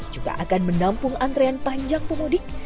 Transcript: juga akan menampung antrean panjang pemudik